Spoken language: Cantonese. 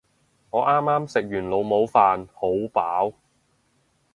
我啱啱食完老母飯，好飽